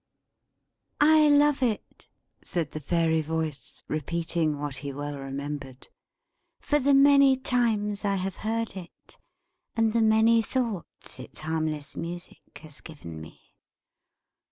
"'I love it,'" said the Fairy Voice, repeating what he well remembered, "'for the many times I have heard it, and the many thoughts its harmless music has given me.'"